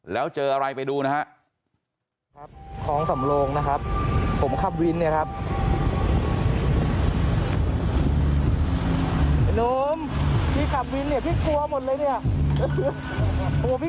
แล้วเจออะไรไปดูนะฮะ